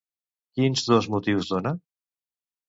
Quins dos motius dona?